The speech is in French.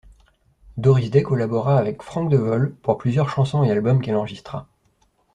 Doris Day collabora avec Frank De Vol pour plusieurs chansons et albums qu’elle enregistra.